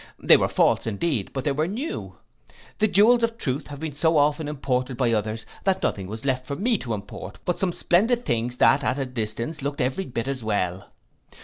They were false, indeed, but they were new. The jewels of truth have been so often imported by others, that nothing was left for me to import but some splendid things that at a distance looked every bit as well.